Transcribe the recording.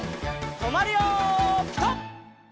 とまるよピタ！